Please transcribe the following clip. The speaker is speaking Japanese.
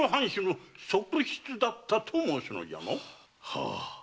はあ。